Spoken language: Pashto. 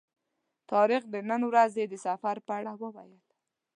طارق د نن ورځې د سفر په اړه وویل.